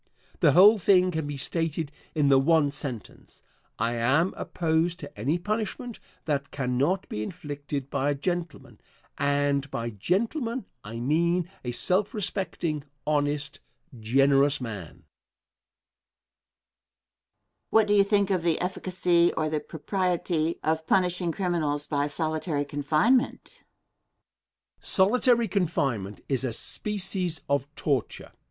The whole thing can be stated in the one sentence: I am opposed to any punishment that cannot be inflicted by a gentleman, and by "gentleman" I mean a self respecting, honest, generous man. Question. What do you think of the efficacy or the propriety of punishing criminals by solitary confinement? Answer. Solitary confinement is a species of torture.